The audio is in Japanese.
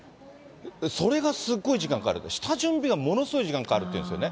それがすごい時間がかかるって、下準備がものすごい時間かかるっていうんですよね。